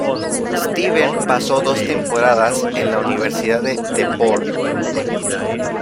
Steven pasó dos temporadas en la Universidad de DePaul.